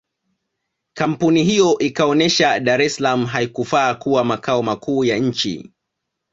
Kampuni hiyo ikaonesha Dar es salaam haikufaa kuwa makao makuu ya nchi